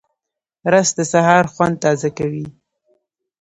رس د سهار خوند تازه کوي